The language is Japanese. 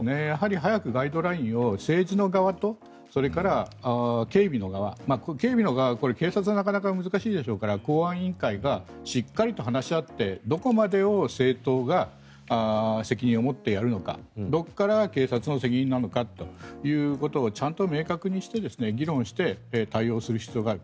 早くガイドラインを政治の側とそれから警備の側警備の側は警察はなかなか難しいでしょうから公安委員会がしっかりと話し合ってどこまでを政党が責任を持ってやるのかどこからが警察の責任なのかということをちゃんと明確にして議論して対応する必要がある。